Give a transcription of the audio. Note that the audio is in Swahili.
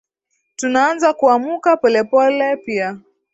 tunaanza kuamuka pole pole pia